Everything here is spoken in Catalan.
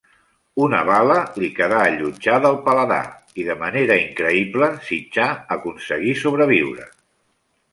Una bala li quedà allotjada al paladar i de manera increïble Sitjar aconseguí sobreviure.